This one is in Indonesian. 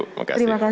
terima kasih bapak